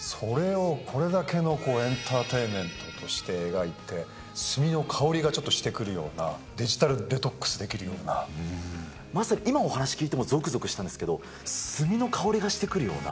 それを、これだけのエンターテインメントとして描いて、墨の香りがちょっとしてくるような、デジタルデトックスできるよまさに今、お話聞いてもぞくぞくしたんですけど、墨の香りがしてくるような。